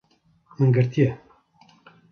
Min girtiye